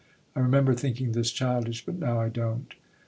I remember thinking this childish. But now I don't.